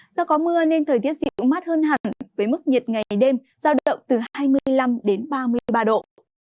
do có mưa nên thời tiết dịu mát hơn hẳn với mức nhiệt ngày đêm giao động từ hai mươi năm đến ba mươi ba độ